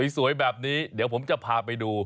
สวยแบบนี้เดี๋ยวผมจะพาไปดู